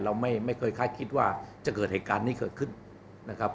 เราไม่เคยคาดคิดว่าจะเกิดเหตุการณ์นี้เกิดขึ้นนะครับ